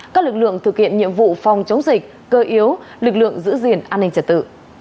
các lực lượng thực hiện nhiệm vụ phòng chống dịch cơ yếu lực lượng giữ gìn an ninh trật tự